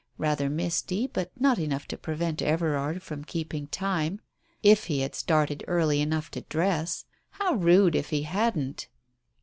Rather misty — but not enough to prevent Everard from keeping time, if he had started early enough to dress! How rude if he hadn't?